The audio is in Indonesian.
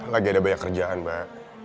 lagi ada banyak kerjaan mbak